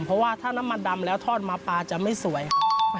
เพราะว่าถ้าน้ำมันดำแล้วทอดมาปลาจะไม่สวยครับ